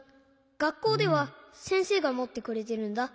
がっこうではせんせいがもってくれてるんだ。